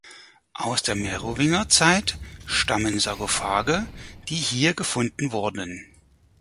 Aus der Merowingerzeit stammen Sarkophage, die hier gefunden wurden.